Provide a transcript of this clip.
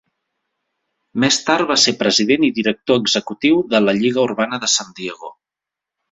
Més tard va ser president i director executiu de la Lliga Urbana de Sant Diego.